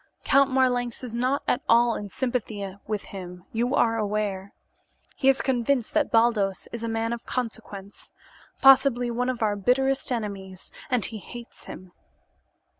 Count Marlanx is not at all in sympathy with him, you are aware. He is convinced that Baldos is a man of consequence, possibly one of our bitterest enemies, and he hates him.